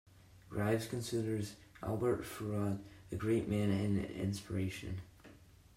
Rives considers Albert Feraud a great man and an inspiration.